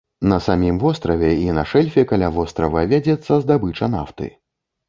На самім востраве і на шэльфе каля вострава вядзецца здабыча нафты.